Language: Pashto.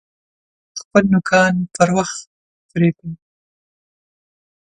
خپل نوکان پر وخت پرې کئ!